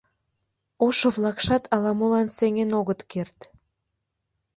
Ошо-влакшат ала-молан сеҥен огыт керт.